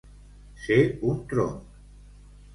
Ser un tronc.